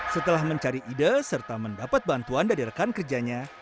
setelah mencari ide serta mendapat bantuan dari rekan kerjanya